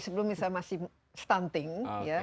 sebelum misalnya masih stunting ya